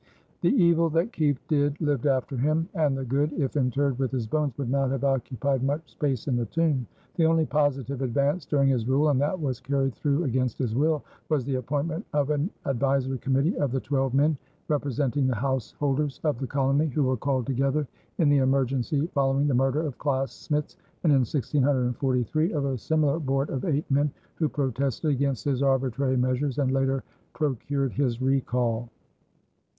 The evil that Kieft did lived after him and the good, if interred with his bones, would not have occupied much space in the tomb. The only positive advance during his rule and that was carried through against his will was the appointment of an advisory committee of the twelve men, representing the householders of the colony, who were called together in the emergency following the murder of Claes Smits, and in 1643 of a similar board of eight men, who protested against his arbitrary measures and later procured his recall.